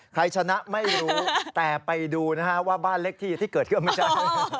ใครชนะไม่รู้แต่ไปดูนะฮะว่าบ้านเล็กที่ที่เกิดขึ้นไม่ใช่